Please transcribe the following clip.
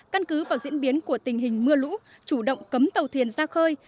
căn cứ vào diễn biến của tình hình mưa lũ chủ động cấm tàu thuyền ra khơi